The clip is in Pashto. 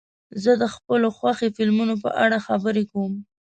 زه د خپلو خوښې فلمونو په اړه خبرې کوم.